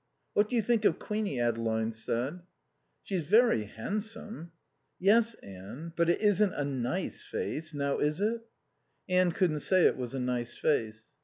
"What do you think of Queenie?" Adeline said. "She's very handsome." "Yes, Anne. But it isn't a nice face. Now, is it?" Anne couldn't say it was a nice face.